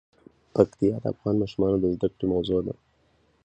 پکتیا د افغان ماشومانو د زده کړې موضوع ده.